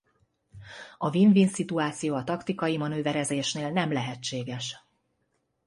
A win-win szituáció a taktikai manőverezésnél nem lehetséges.